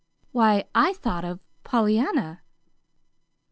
"Why, I'd thought of Pollyanna."